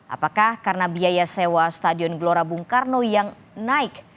apakah karena biaya sewa stadion gelora bung karno yang naik